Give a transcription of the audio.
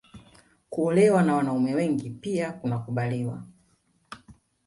Kuolewa na wanaume wengi pia kunakubaliwa